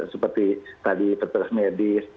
seperti tadi petugas medis